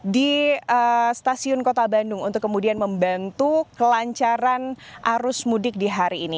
di stasiun kota bandung untuk kemudian membantu kelancaran arus mudik di hari ini